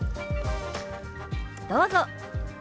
どうぞ。